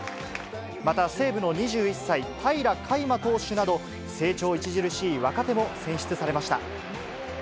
また、西武の２１歳、平良海馬投手など、成長著しい若手も選出されました。